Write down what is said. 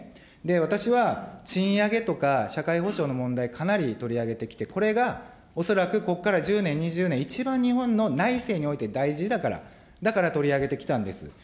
私は賃上げとか社会保障の問題、かなり取り上げてきて、これが恐らく、ここから１０年、２０年、一番日本の内政において大事だから、だから取り上げてきたんです。